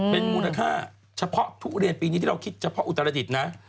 เป็นมูลค่าเฉพาะทุเรียนปีนี้ที่เราคิดเฉพาะอุตรดิษฐ์นะ